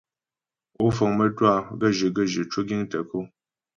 Ó fəŋ mə́twâ gaə́jyə gaə́jyə cwə giŋ tə ko.